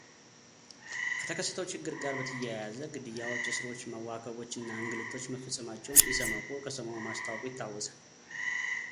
ከተከሰተው ችግር ጋር በተያያዘ ግድያዎች እስሮች መዋከቦች እና እንግልቶች መፈጸማቸውን ኢሰመኮ ከሰሞኑ ማስታወቁ ይታወሳል።